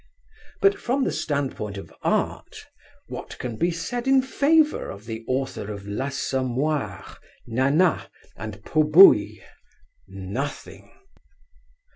But from the standpoint of art, what can be said in favour of the author of L'Assommoir, Nana and Pot Bouille? Nothing.